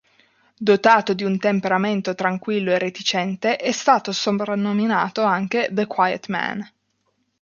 Dotato di un temperamento tranquillo e reticente, è stato soprannominato anche "The Quiet Man".